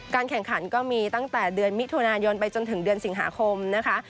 แข่งขันก็มีตั้งแต่เดือนมิถุนายนไปจนถึงเดือนสิงหาคมนะคะ